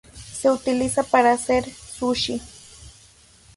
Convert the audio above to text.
Se utiliza para hacer Sushi.